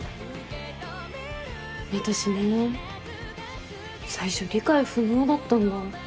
私ね最初理解不能だったんだ。